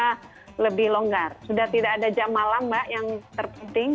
sudah lebih longgar sudah tidak ada jam malam mbak yang terpenting